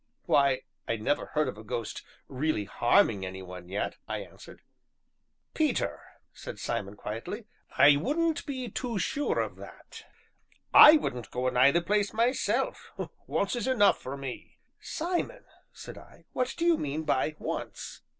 "Why, I never heard of a ghost really harming any one yet," I answered. "Peter," said Simon, quietly, "I wouldn't be too sure o' that. I wouldn't go a nigh the place, myself; once is enough for me." "Simon," said I, "what do you mean by 'once'?"